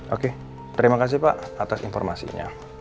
oke terima kasih pak atas informasinya